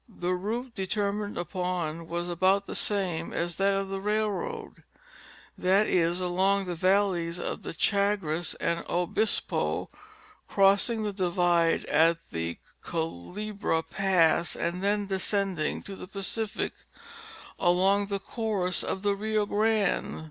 The route determined upon was about the same as that of the railroad, that is along the valleys of the Chagres and Obispo, crossing the divide at the Culebra pass and then descending to the Pacific along the course of the Rio Grande.